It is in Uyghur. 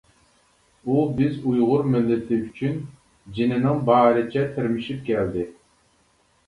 ئۇ بىز ئۇيغۇر مىللىتى ئۈچۈن جېنىنىڭ بارىچە تىرمىشىپ كەلدى.